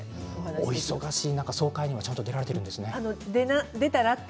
お忙しい中、総会には出られているんですね。